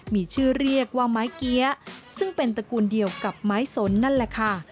มีชื่อเรียกว่าไม้เกี้ยซึ่งเป็นตระกูลเดียวกับไม้สนนั่นแหละค่ะ